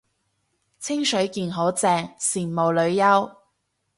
清水健好正，羨慕女優